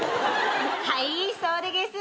はいそうでげす。